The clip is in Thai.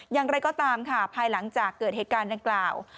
อย่างไรก็ตามค่ะภายหลังจากเกิดเหตุการณ์ดังกล่าว